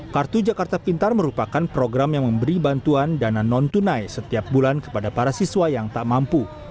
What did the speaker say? kartu jakarta pintar merupakan program yang memberi bantuan dana non tunai setiap bulan kepada para siswa yang tak mampu